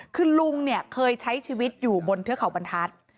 คือลุงเนี่ยเคยใช้ชีวิตอยู่บนเทือกเขาบรรทัศน์